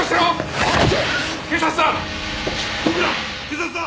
警察だ！